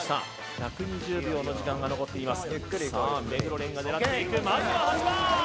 １２０秒の時間が残っています。